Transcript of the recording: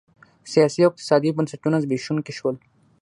سیاسي او اقتصادي بنسټونه زبېښونکي شول.